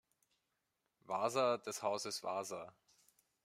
Wasa des Hauses Wasa.